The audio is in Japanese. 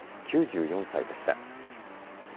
９４歳でした。